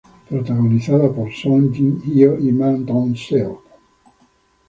Protagonizada por Song Ji-hyo y Ma Dong-seok.